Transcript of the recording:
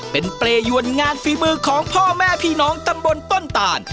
เป็นเปรยวนงานฝีมือของพ่อแม่พี่น้องตำบลต้นต่าน